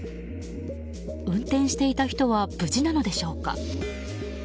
運転していた人は無事なのでしょうか。